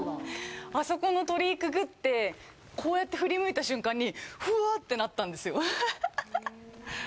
あそこの鳥居くぐってこうやって振り向いた瞬間にふわっ！ってなったんですよ。